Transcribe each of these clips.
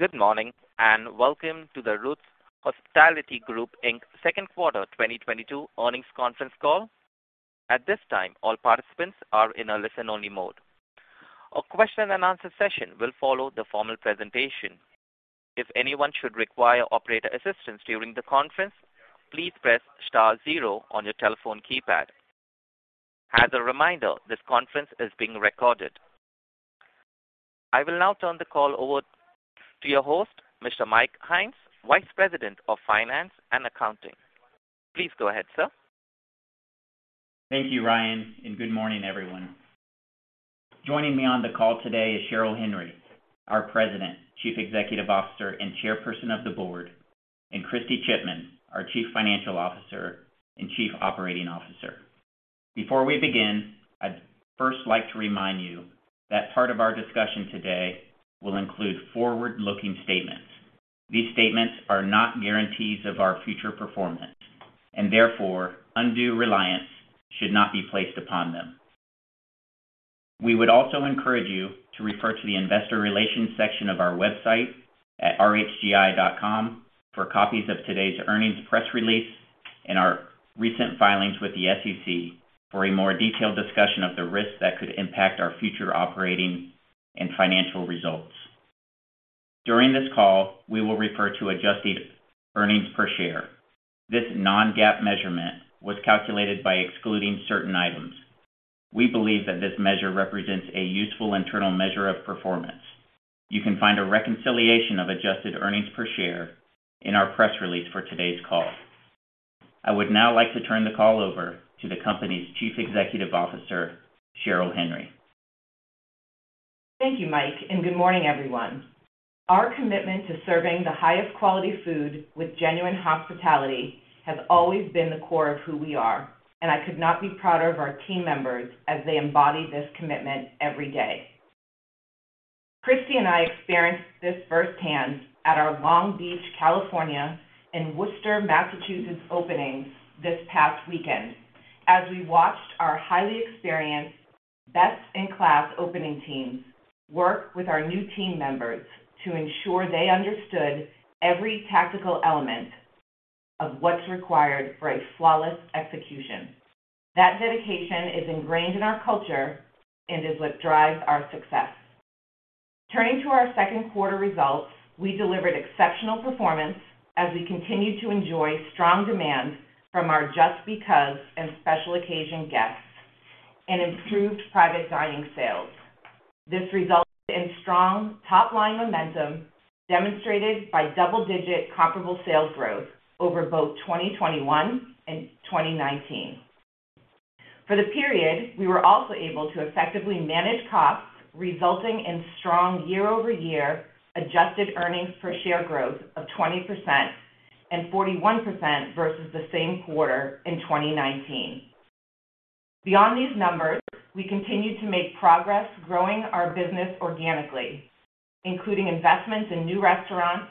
Good morning, and welcome to the Ruth's Hospitality Group, Inc.'s Q2 2022 earnings conference call. At this time, all participants are in a listen-only mode. A question and answer session will follow the formal presentation. If anyone should require operator assistance during the conference, please press star zero on your telephone keypad. As a reminder, this conference is being recorded. I will now turn the call over to your host, Mr. Mike Hynes, Vice President of Finance and Accounting. Please go ahead, sir. Thank you, Ryan, and good morning, everyone. Joining me on the call today is Cheryl Henry, our President, Chief Executive Officer, and Chairperson of the Board, and Kristy Chipman, our Chief Financial Officer and Chief Operating Officer. Before we begin, I'd first like to remind you that part of our discussion today will include forward-looking statements. These statements are not guarantees of our future performance and therefore undue reliance should not be placed upon them. We would also encourage you to refer to the investor relations section of our website at rhgi.com for copies of today's earnings press release and our recent filings with the SEC for a more detailed discussion of the risks that could impact our future operating and financial results. During this call, we will refer to adjusted earnings per share. This non-GAAP measurement was calculated by excluding certain items. We believe that this measure represents a useful internal measure of performance. You can find a reconciliation of adjusted earnings per share in our press release for today's call. I would now like to turn the call over to the company's Chief Executive Officer, Cheryl Henry. Thank you, Mike, and good morning, everyone. Our commitment to serving the highest quality food with genuine hospitality has always been the core of who we are, and I could not be prouder of our team members as they embody this commitment every day. Kristy and I experienced this firsthand at our Long Beach, California, and Worcester, Massachusetts openings this past weekend as we watched our highly experienced, best-in-class opening teams work with our new team members to ensure they understood every tactical element of what's required for a flawless execution. That dedication is ingrained in our culture and is what drives our success. Turning to our second quarter results, we delivered exceptional performance as we continued to enjoy strong demand from our Just Because and special occasion guests and improved private dining sales. This resulted in strong top-line momentum demonstrated by double-digit comparable sales growth over both 2021 and 2019. For the period, we were also able to effectively manage costs, resulting in strong year-over-year adjusted earnings per share growth of 20% and 41% versus the same quarter in 2019. Beyond these numbers, we continued to make progress growing our business organically, including investments in new restaurants,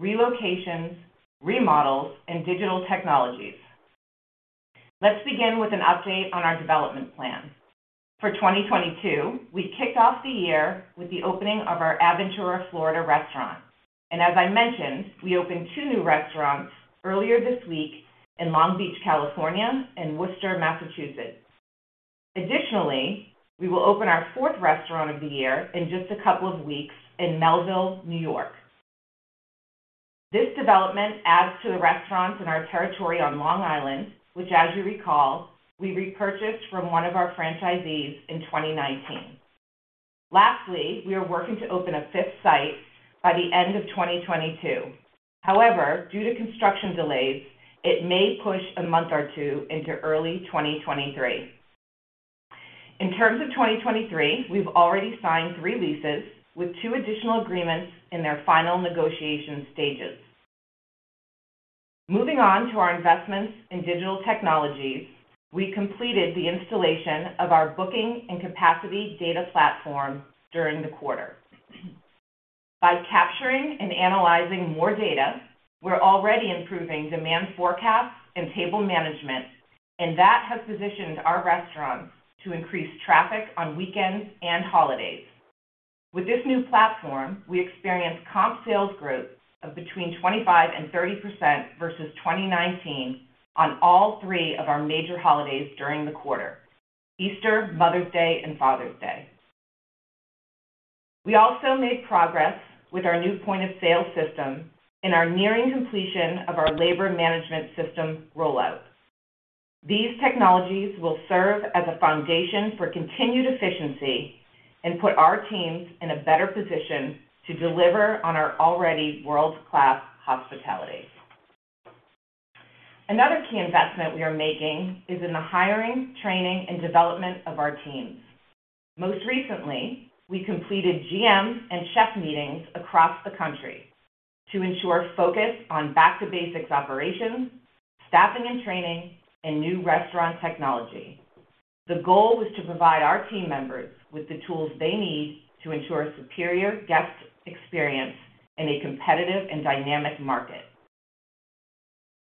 relocations, remodels, and digital technologies. Let's begin with an update on our development plan. For 2022, we kicked off the year with the opening of our Aventura, Florida restaurant. As I mentioned, we opened two new restaurants earlier this week in Long Beach, California, and Worcester, Massachusetts. Additionally, we will open our fourth restaurant of the year in just a couple of weeks in Melville, New York. This development adds to the restaurants in our territory on Long Island, which, as you recall, we repurchased from one of our franchisees in 2019. Lastly, we are working to open a fifth site by the end of 2022. However, due to construction delays, it may push a month or two into early 2023. In terms of 2023, we've already signed three leases with two additional agreements in their final negotiation stages. Moving on to our investments in digital technologies, we completed the installation of our booking and capacity data platform during the quarter. By capturing and analyzing more data, we're already improving demand forecasts and table management, and that has positioned our restaurants to increase traffic on weekends and holidays. With this new platform, we experienced comp sales growth of between 25% and 30% versus 2019 on all three of our major holidays during the quarter, Easter, Mother's Day, and Father's Day. We also made progress with our new point-of-sale system and are nearing completion of our labor management system rollout. These technologies will serve as a foundation for continued efficiency and put our teams in a better position to deliver on our already world-class hospitality. Another key investment we are making is in the hiring, training, and development of our teams. Most recently, we completed GM and chef meetings across the country to ensure focus on back-to-basics operations, staffing and training, and new restaurant technology. The goal was to provide our team members with the tools they need to ensure superior guest experience in a competitive and dynamic market.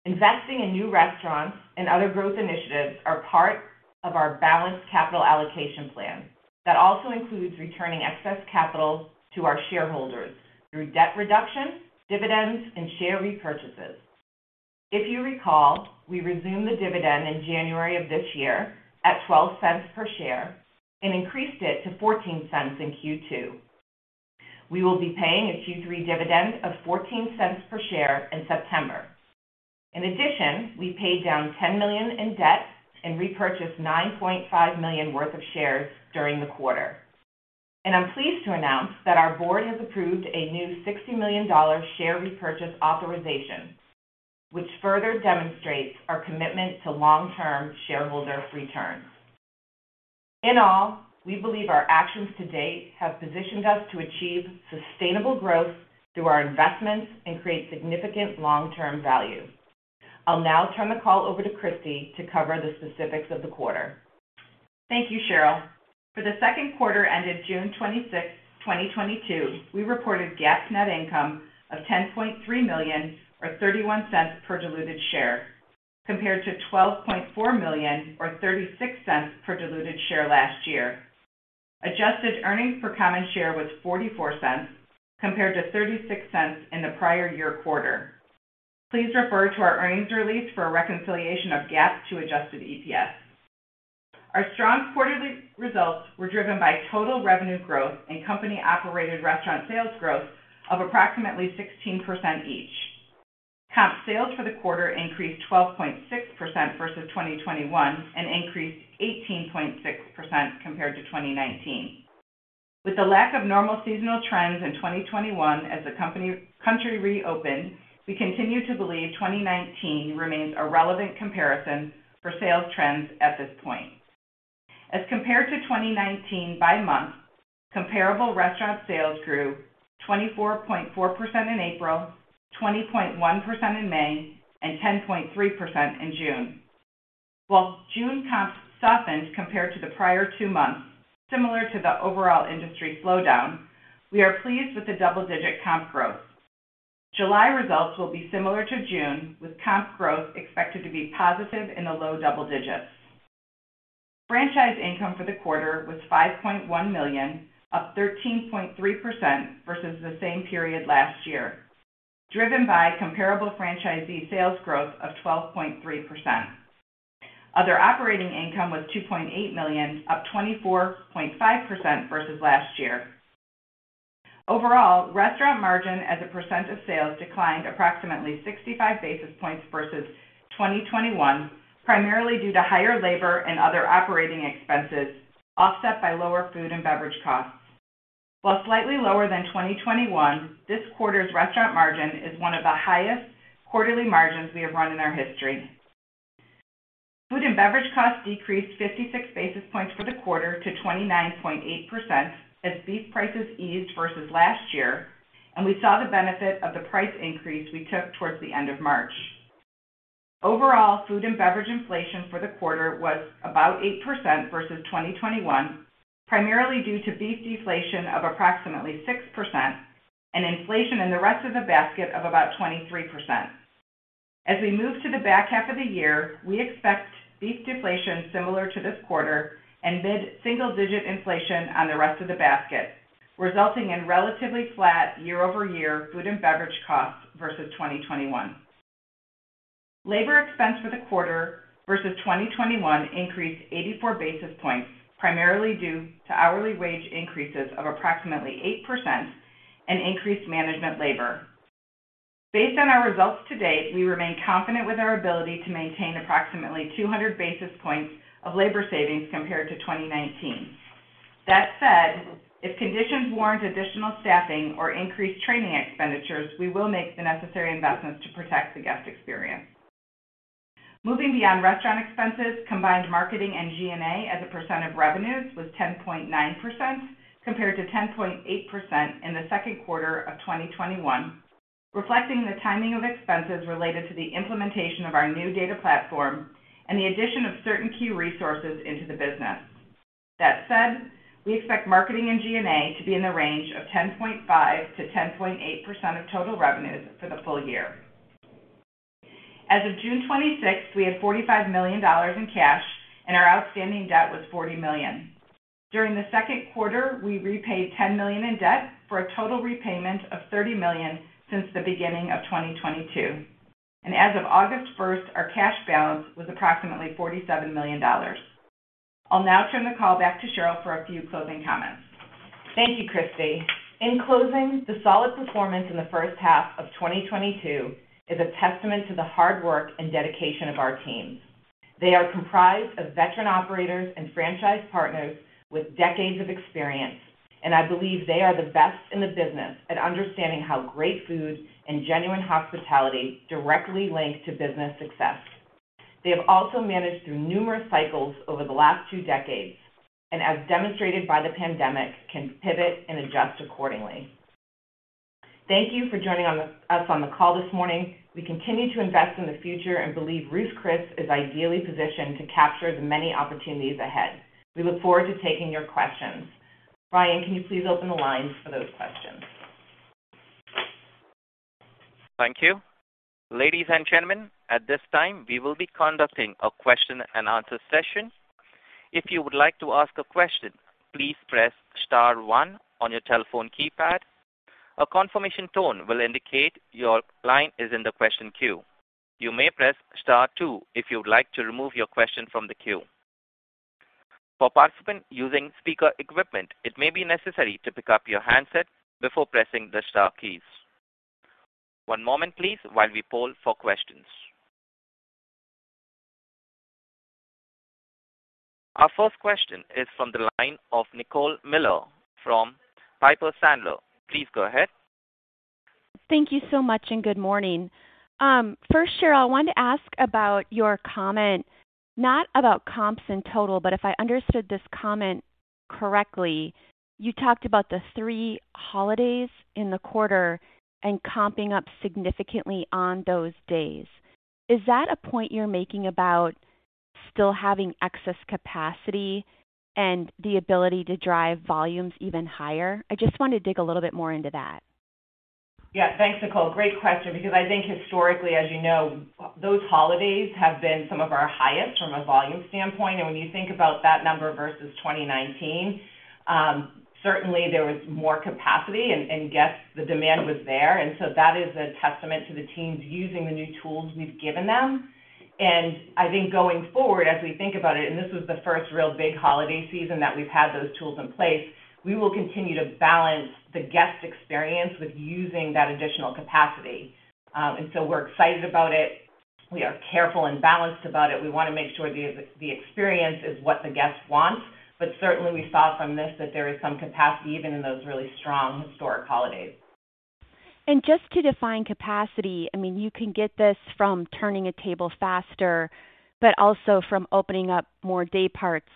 Investing in new restaurants and other growth initiatives are part of our balanced capital allocation plan that also includes returning excess capital to our shareholders through debt reduction, dividends, and share repurchases. If you recall, we resumed the dividend in January of this year at $0.12 per share and increased it to $0.14 in Q2. We will be paying a Q3 dividend of $0.14 per share in September. In addition, we paid down $10 million in debt and repurchased $9.5 million worth of shares during the quarter. I'm pleased to announce that our board has approved a new $60 million share repurchase authorization, which further demonstrates our commitment to long-term shareholder returns. In all, we believe our actions to date have positioned us to achieve sustainable growth through our investments and create significant long-term value. I'll now turn the call over to Kristy to cover the specifics of the quarter. Thank you, Cheryl. For the second quarter ended June 26, 2022, we reported GAAP net income of $10.3 million or $0.31 per diluted share, compared to $12.4 million or $0.36 per diluted share last year. Adjusted earnings per common share was $0.44 compared to $0.36 in the prior year quarter. Please refer to our earnings release for a reconciliation of GAAP to adjusted EPS. Our strong quarterly results were driven by total revenue growth and company-operated restaurant sales growth of approximately 16% each. Comp sales for the quarter increased 12.6% versus 2021 and increased 18.6% compared to 2019. With the lack of normal seasonal trends in 2021 as the country reopened, we continue to believe 2019 remains a relevant comparison for sales trends at this point. As compared to 2019 by month, comparable restaurant sales grew 24.4% in April, 20.1% in May, and 10.3% in June. While June comps softened compared to the prior two months, similar to the overall industry slowdown, we are pleased with the double-digit comp growth. July results will be similar to June, with comp growth expected to be positive in the low double digits. Franchise income for the quarter was $5.1 million, up 13.3% versus the same period last year, driven by comparable franchisee sales growth of 12.3%. Other operating income was $2.8 million, up 24.5% versus last year. Overall, restaurant margin as a percent of sales declined approximately 65 basis points versus 2021, primarily due to higher labor and other operating expenses offset by lower food and beverage costs. While slightly lower than 2021, this quarter's restaurant margin is one of the highest quarterly margins we have run in our history. Food and beverage costs decreased 56 basis points for the quarter to 29.8% as beef prices eased versus last year, and we saw the benefit of the price increase we took towards the end of March. Overall, food and beverage inflation for the quarter was about 8% versus 2021, primarily due to beef deflation of approximately 6% and inflation in the rest of the basket of about 23%. As we move to the back half of the year, we expect beef deflation similar to this quarter and mid-single digit inflation on the rest of the basket, resulting in relatively flat year-over-year food and beverage costs versus 2021. Labor expense for the quarter versus 2021 increased 84 basis points, primarily due to hourly wage increases of approximately 8% and increased management labor. Based on our results to date, we remain confident with our ability to maintain approximately 200 basis points of labor savings compared to 2019. That said, if conditions warrant additional staffing or increased training expenditures, we will make the necessary investments to protect the guest experience. Moving beyond restaurant expenses, combined marketing and G&A as a percent of revenues was 10.9% compared to 10.8% in the second quarter of 2021, reflecting the timing of expenses related to the implementation of our new data platform and the addition of certain key resources into the business. That said, we expect marketing and G&A to be in the range of 10.5%-10.8% of total revenues for the full year. As of June 26, we had $45 million in cash, and our outstanding debt was $40 million. During the second quarter, we repaid $10 million in debt for a total repayment of $30 million since the beginning of 2022. As of August 1, our cash balance was approximately $47 million. I'll now turn the call back to Cheryl for a few closing comments. Thank you, Kristy. In closing, the solid performance in the first half of 2022 is a testament to the hard work and dedication of our teams. They are comprised of veteran operators and franchise partners with decades of experience, and I believe they are the best in the business at understanding how great food and genuine hospitality directly link to business success. They have also managed through numerous cycles over the last two decades and as demonstrated by the pandemic, can pivot and adjust accordingly. Thank you for joining us on the call this morning. We continue to invest in the future and believe Ruth's Chris is ideally positioned to capture the many opportunities ahead. We look forward to taking your questions. Ryan, can you please open the lines for those questions? Thank you. Ladies and gentlemen, at this time, we will be conducting a question-and-answer session. If you would like to ask a question, please press star one on your telephone keypad. A confirmation tone will indicate your line is in the question queue. You may press star two if you would like to remove your question from the queue. For participants using speaker equipment, it may be necessary to pick up your handset before pressing the star keys. One moment please while we poll for questions. Our first question is from the line of Nicole Miller Regan from Piper Sandler. Please go ahead. Thank you so much, and good morning. First, Cheryl, I wanted to ask about your comment, not about comps in total, but if I understood this comment correctly, you talked about the three holidays in the quarter and comping up significantly on those days. Is that a point you're making about still having excess capacity and the ability to drive volumes even higher? I just wanted to dig a little bit more into that. Yeah. Thanks, Nicole. Great question because I think historically, as you know, those holidays have been some of our highest from a volume standpoint. When you think about that number versus 2019, certainly there was more capacity and guests, the demand was there. That is a testament to the teams using the new tools we've given them. I think going forward, as we think about it, and this was the first real big holiday season that we've had those tools in place, we will continue to balance the guest experience with using that additional capacity. We're excited about it. We are careful and balanced about it. We want to make sure the experience is what the guest wants. Certainly we saw from this that there is some capacity even in those really strong historic holidays. Just to define capacity, I mean, you can get this from turning a table faster, but also from opening up more day parts,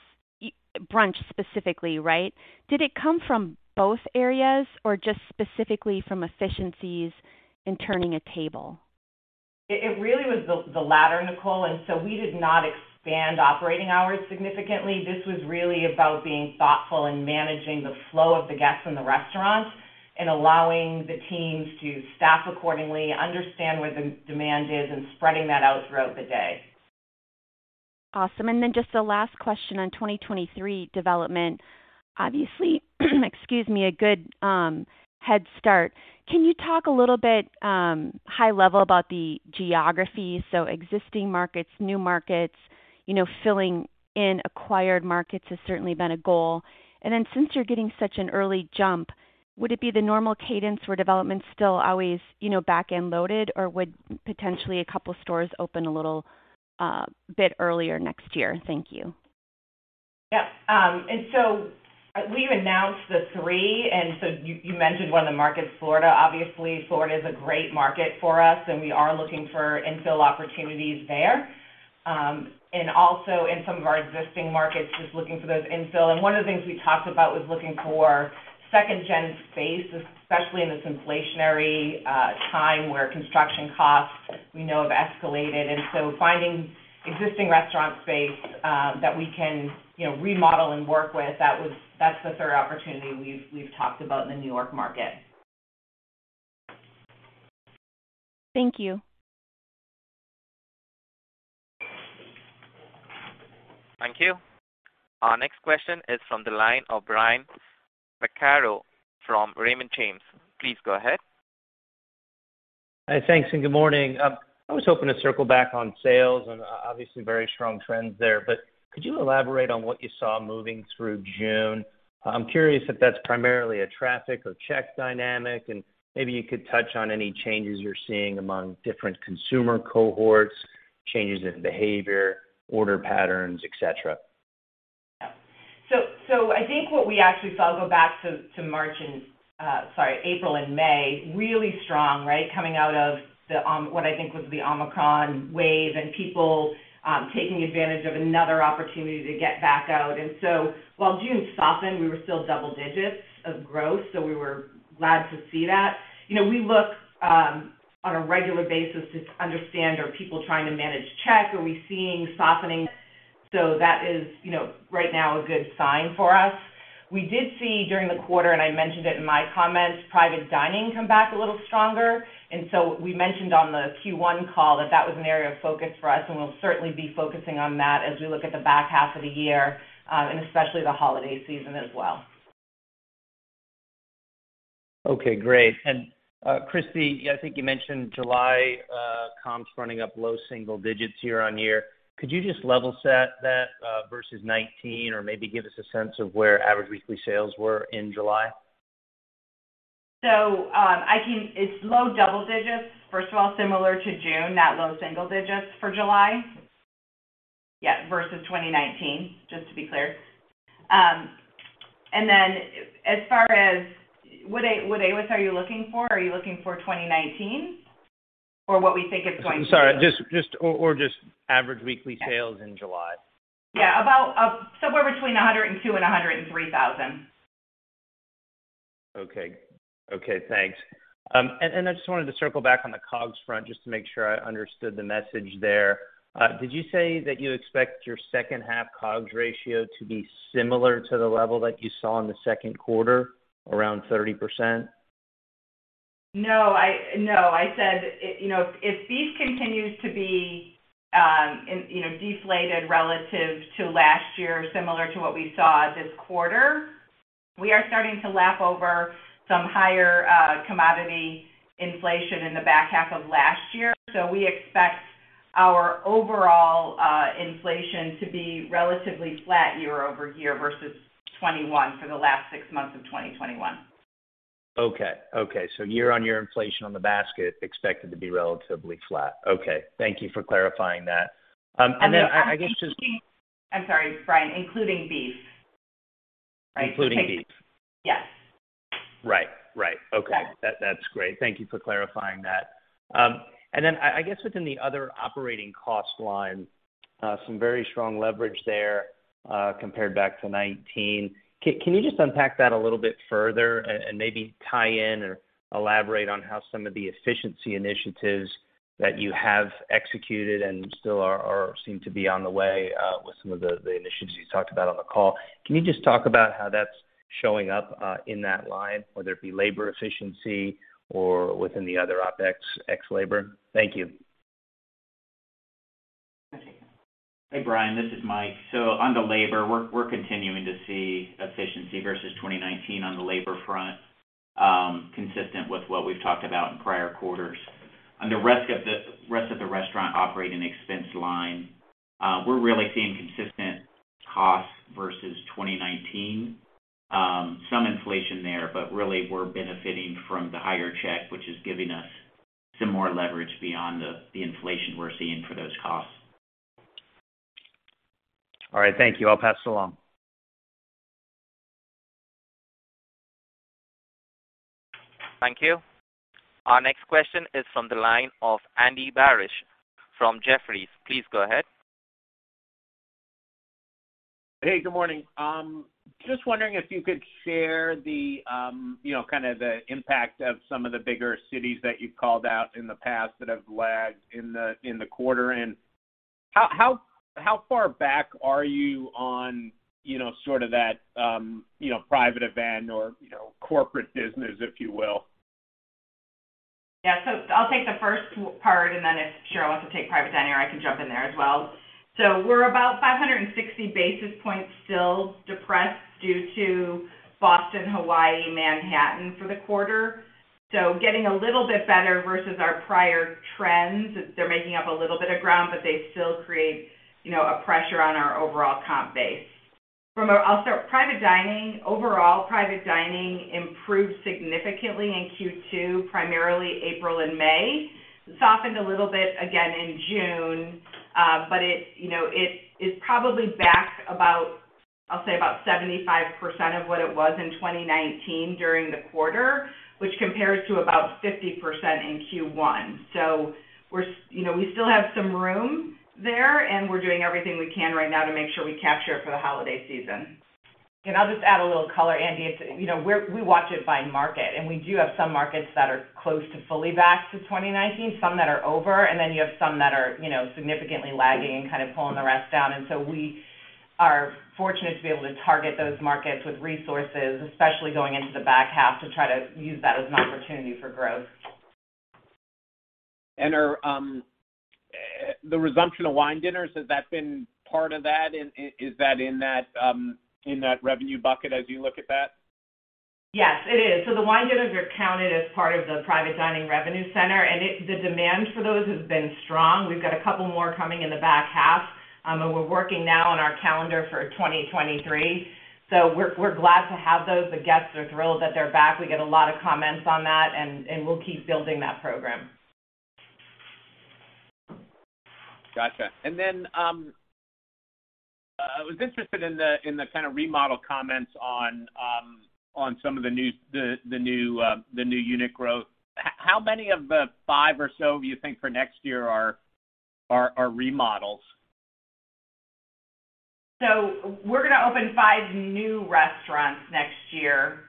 brunch specifically, right? Did it come from both areas or just specifically from efficiencies in turning a table? It really was the latter, Nicole, and so we did not expand operating hours significantly. This was really about being thoughtful and managing the flow of the guests in the restaurants and allowing the teams to staff accordingly, understand where the demand is, and spreading that out throughout the day. Awesome. Just the last question on 2023 development. Obviously, excuse me, a good head start. Can you talk a little bit, high level about the geography? So existing markets, new markets, you know, filling in acquired markets has certainly been a goal. Since you're getting such an early jump, would it be the normal cadence where development's still always, you know, back-end loaded, or would potentially a couple stores open a little bit earlier next year? Thank you. Yeah. We've announced the three, and you mentioned one of the markets, Florida. Obviously, Florida is a great market for us, and we are looking for infill opportunities there. Also in some of our existing markets, just looking for those infill. One of the things we talked about was looking for second gen space, especially in this inflationary time where construction costs, we know have escalated. Finding existing restaurant space that we can, you know, remodel and work with, that's the third opportunity we've talked about in the New York market. Thank you. Thank you. Our next question is from the line of Brian Vaccaro from Raymond James. Please go ahead. Thanks and good morning. I was hoping to circle back on sales and obviously very strong trends there, but could you elaborate on what you saw moving through June? I'm curious if that's primarily a traffic or check dynamic, and maybe you could touch on any changes you're seeing among different consumer cohorts, changes in behavior, order patterns, et cetera. I think what we actually saw, go back to March and sorry, April and May, really strong, right? Coming out of the Omicron wave and people taking advantage of another opportunity to get back out. While June softened, we were still double digits of growth, so we were glad to see that. You know, we look on a regular basis to understand are people trying to manage check? Are we seeing softening? That is, you know, right now a good sign for us. We did see during the quarter, and I mentioned it in my comments, private dining come back a little stronger. We mentioned on the Q1 call that that was an area of focus for us, and we'll certainly be focusing on that as we look at the back half of the year, and especially the holiday season as well. Okay, great. Kristy, I think you mentioned July, comps running up low single digits year-over-year. Could you just level set that, versus 2019 or maybe give us a sense of where average weekly sales were in July? It's low double digits, first of all, similar to June, not low single digits for July. Yeah, versus 2019, just to be clear. As far as what AWS are you looking for? Are you looking for 2019 or what we think it's going to be? Sorry, just average weekly sales in July. Yeah, about somewhere between $102,000 and $103,000. Okay. Okay, thanks. I just wanted to circle back on the COGS front just to make sure I understood the message there. Did you say that you expect your second half COGS ratio to be similar to the level that you saw in the second quarter, around 30%? No, I said, you know, if beef continues to be, you know, deflated relative to last year, similar to what we saw this quarter, we are starting to lap over some higher commodity inflation in the back half of last year. We expect our overall inflation to be relatively flat year-over-year versus 2021 for the last six months of 2021. Okay. Year-over-year inflation on the basket expected to be relatively flat. Okay, thank you for clarifying that. I guess just. I'm sorry, Brian, including beef. Including beef? Yes. Right. Okay. Yeah. That's great. Thank you for clarifying that. I guess within the other operating cost line, some very strong leverage there, compared back to 2019. Can you just unpack that a little bit further and maybe tie in or elaborate on how some of the efficiency initiatives that you have executed and still are seem to be on the way, with some of the initiatives you talked about on the call. Can you just talk about how that's showing up in that line, whether it be labor efficiency or within the other OpEx ex labor? Thank you. Okay. Hey, Brian, this is Mike. On the labor, we're continuing to see efficiency versus 2019 on the labor front, consistent with what we've talked about in prior quarters. On the rest of the restaurant operating expense line, we're really seeing consistent costs versus 2019. Some inflation there, but really we're benefiting from the higher check, which is giving us some more leverage beyond the inflation we're seeing for those costs. All right, thank you. I'll pass it along. Thank you. Our next question is from the line of Andy Barish from Jefferies. Please go ahead. Hey, good morning. Just wondering if you could share the, you know, kind of the impact of some of the bigger cities that you've called out in the past that have lagged in the quarter. How far back are you on, you know, sort of that, you know, private event or, you know, corporate business, if you will? Yeah. I'll take the first part, and then if Cheryl wants to take private dining, I can jump in there as well. We're about 560 basis points still depressed due to Boston, Hawaii, Manhattan for the quarter. Getting a little bit better versus our prior trends. They're making up a little bit of ground, but they still create, you know, a pressure on our overall comp base. I'll start private dining. Overall, private dining improved significantly in Q2, primarily April and May. Softened a little bit again in June, but it, you know, it is probably back about, I'll say about 75% of what it was in 2019 during the quarter, which compares to about 50% in Q1. You know, we still have some room there, and we're doing everything we can right now to make sure we capture it for the holiday season. I'll just add a little color, Andy. It's, you know, we watch it by market, and we do have some markets that are close to fully back to 2019, some that are over, and then you have some that are, you know, significantly lagging and kind of pulling the rest down. We are fortunate to be able to target those markets with resources, especially going into the back half, to try to use that as an opportunity for growth. Are the resumption of wine dinners, has that been part of that and is that in that, in that revenue bucket as you look at that? Yes, it is. The wine dinners are counted as part of the private dining revenue center, and the demand for those has been strong. We've got a couple more coming in the back half, and we're working now on our calendar for 2023. We're glad to have those. The guests are thrilled that they're back. We get a lot of comments on that, and we'll keep building that program. Gotcha. I was interested in the kind of remodel comments on some of the new unit growth. How many of the five or so do you think for next year are remodels? We're gonna open five new restaurants next year.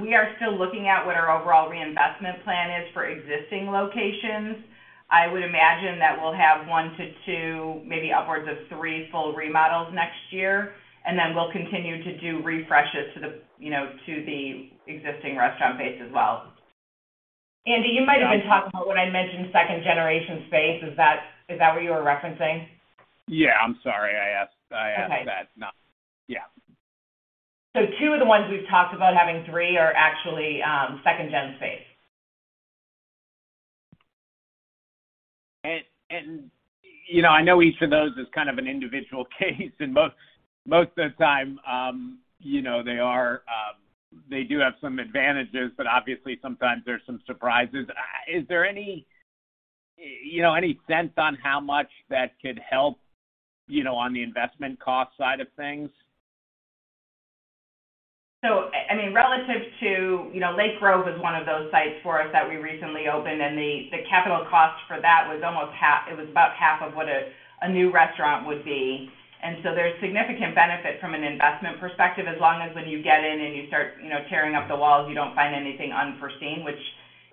We are still looking at what our overall reinvestment plan is for existing locations. I would imagine that we'll have 1-2, maybe upwards of three full remodels next year, and then we'll continue to do refreshes to the, you know, to the existing restaurant base as well. Andy, you might have been talking about when I mentioned second-generation space. Is that what you were referencing? Yeah. I'm sorry. I asked that. Okay. No. Yeah. Two of the ones we've talked about having three are actually second-gen space. You know, I know each of those is kind of an individual case, and most of the time, you know, they are, they do have some advantages, but obviously, sometimes there's some surprises. Is there any, you know, any sense on how much that could help, you know, on the investment cost side of things? I mean, relative to, you know, Lake Grove is one of those sites for us that we recently opened, and the capital cost for that was almost half. It was about half of what a new restaurant would be. There's significant benefit from an investment perspective as long as when you get in and you start, you know, tearing up the walls, you don't find anything unforeseen, which,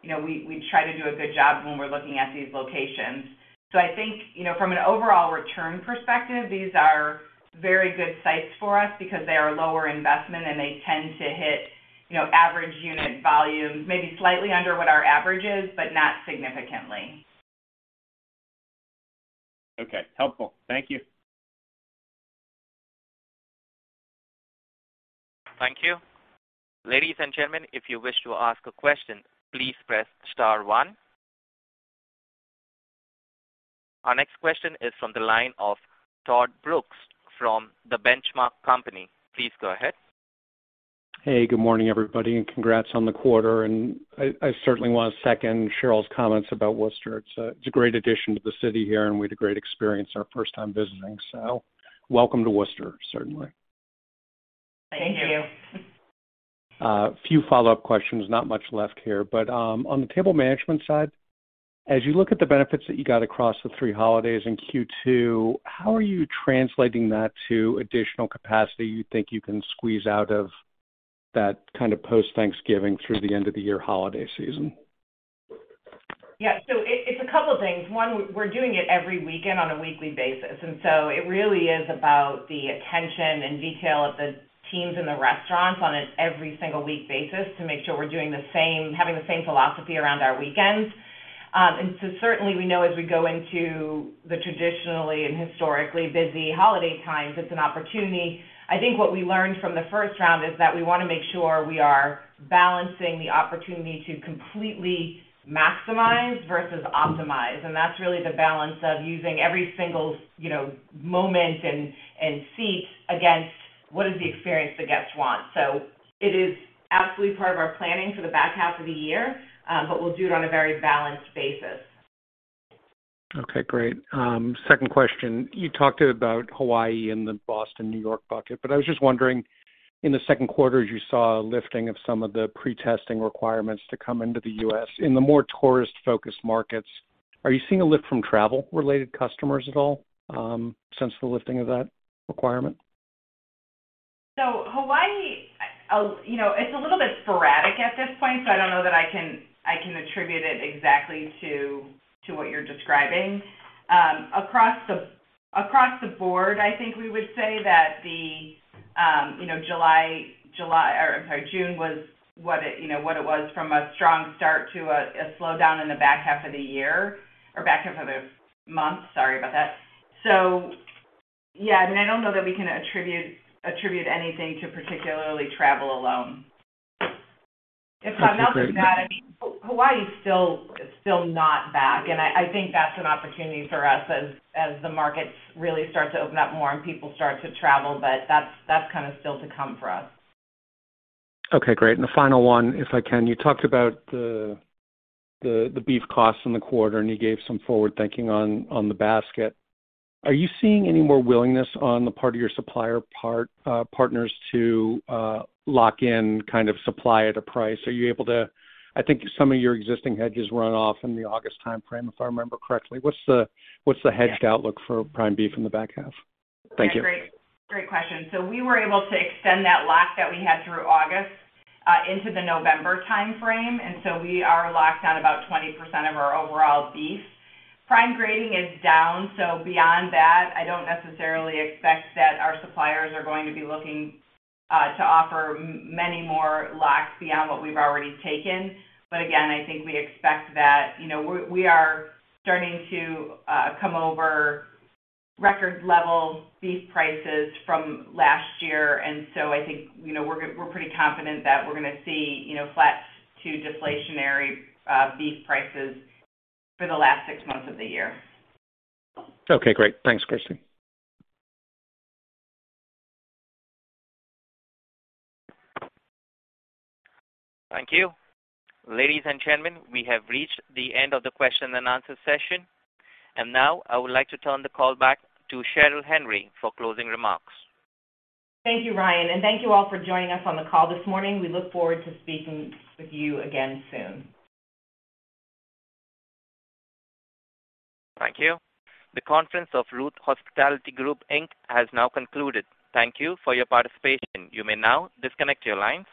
you know, we try to do a good job when we're looking at these locations. I think, you know, from an overall return perspective, these are very good sites for us because they are lower investment and they tend to hit, you know, average unit volume, maybe slightly under what our average is, but not significantly. Okay. Helpful. Thank you. Thank you. Ladies and gentlemen, if you wish to ask a question, please press star one. Our next question is from the line of Todd Brooks from The Benchmark Company. Please go ahead. Hey, good morning, everybody, and congrats on the quarter. I certainly want to second Cheryl's comments about Worcester. It's a great addition to the city here, and we had a great experience our first time visiting. Welcome to Worcester, certainly. Thank you. A few follow-up questions. Not much left here. On the table management side, as you look at the benefits that you got across the three holidays in Q2, how are you translating that to additional capacity you think you can squeeze out of that kind of post-Thanksgiving through the end of the year holiday season? Yeah. It's a couple things. One, we're doing it every weekend on a weekly basis, and so it really is about the attention and detail of the teams in the restaurants on an every single week basis to make sure we're doing the same, having the same philosophy around our weekends. Certainly we know as we go into the traditionally and historically busy holiday times, it's an opportunity. I think what we learned from the first round is that we wanna make sure we are balancing the opportunity to completely maximize versus optimize. That's really the balance of using every single, you know, moment and seat against what is the experience the guests want. It is absolutely part of our planning for the back half of the year, but we'll do it on a very balanced basis. Okay, great. Second question, you talked about Hawaii and the Boston, New York bucket, but I was just wondering, in the second quarter, as you saw a lifting of some of the pre-testing requirements to come into the U.S. in the more tourist-focused markets, are you seeing a lift from travel-related customers at all, since the lifting of that requirement? Hawaii, you know, it's a little bit sporadic at this point, so I don't know that I can attribute it exactly to what you're describing. Across the board, I think we would say that the, you know, July or, I'm sorry, June was what it was from a strong start to a slowdown in the back half of the year or back half of the month, sorry about that. Yeah, I mean, I don't know that we can attribute anything to particularly travel alone. I'll just add, I mean, Hawaii is still not back, and I think that's an opportunity for us as the markets really start to open up more and people start to travel, but that's kind of still to come for us. Okay, great. The final one, if I can, you talked about the beef costs in the quarter, and you gave some forward thinking on the basket. Are you seeing any more willingness on the part of your supplier partners to lock in kind of supply at a price? I think some of your existing hedges run off in the August timeframe, if I remember correctly. What's the hedge outlook for prime beef in the back half? Thank you. Great. Great question. We were able to extend that lock that we had through August into the November timeframe, and so we are locked on about 20% of our overall beef. Prime grading is down, so beyond that, I don't necessarily expect that our suppliers are going to be looking to offer many more locks beyond what we've already taken. Again, I think we expect that, you know, we are starting to come off record levels beef prices from last year, and so I think, you know, we're pretty confident that we're gonna see, you know, flat to deflationary beef prices for the last six months of the year. Okay, great. Thanks, Kristy. Thank you. Ladies and gentlemen, we have reached the end of the question and answer session. Now I would like to turn the call back to Cheryl Henry for closing remarks. Thank you, Ryan. Thank you all for joining us on the call this morning. We look forward to speaking with you again soon. Thank you. The conference of Ruth's Hospitality Group, Inc. has now concluded. Thank you for your participation. You may now disconnect your lines.